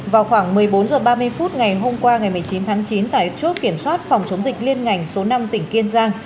vào khoảng một mươi bốn h ba mươi phút ngày hôm qua ngày một mươi chín tháng chín tại chốt kiểm soát phòng chống dịch liên ngành số năm tỉnh kiên giang